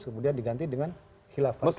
kemudian diganti dengan khilafah